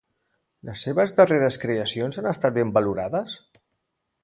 Les seves darreres creacions han estat ben valorades?